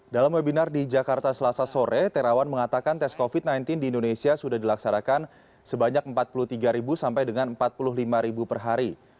dalam webinar di jakarta selasa sore terawan mengatakan tes covid sembilan belas di indonesia sudah dilaksanakan sebanyak empat puluh tiga sampai dengan empat puluh lima per hari